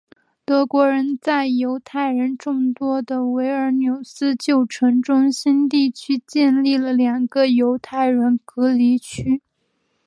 德国人在犹太人众多的维尔纽斯旧城中心地区建立了两个犹太人隔离区。